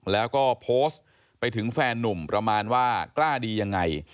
แล้วก็โพสต์ไปถึงแฟนนุ่มประมาณว่ากล้าดียังไง